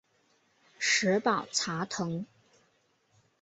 石宝茶藤